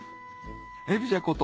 エビじゃこと